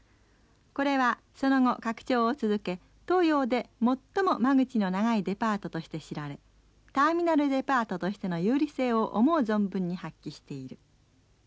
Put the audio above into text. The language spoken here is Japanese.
これはその後、拡張を続け東洋で最も間口の長いデパートとして知られターミナルデパートとしての有利性を思う存分に発揮している。